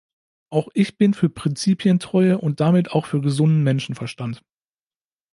Auch ich bin für Prinzipientreue und damit auch für gesunden Menschenverstand.